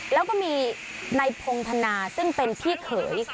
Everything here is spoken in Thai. แล้วก็มีนายพงธนาซึ่งเป็นพี่เขย